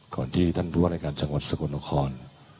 ก่อนที่ท่านผู้ว่าในการจังหวัดสกลคอน